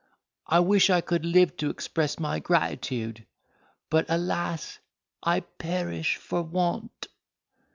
I wish I could live to express my gratitude—but alas! I perish for want."